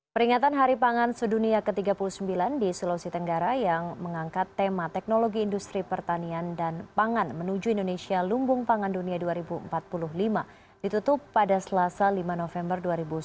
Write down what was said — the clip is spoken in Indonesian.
peringatan hari pangan sedunia ke tiga puluh sembilan di sulawesi tenggara yang mengangkat tema teknologi industri pertanian dan pangan menuju indonesia lumbung pangan dunia dua ribu empat puluh lima ditutup pada selasa lima november dua ribu sembilan belas